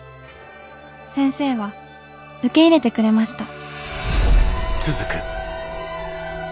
先生は受け入れてくれました」。